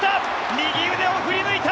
右腕を振り抜いた！